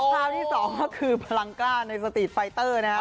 ภาพที่สองก็คือพลังกล้าในสตีทไฟเตอร์นะครับ